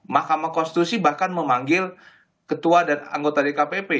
mahkamah konstitusi bahkan memanggil ketua dan anggota dkpp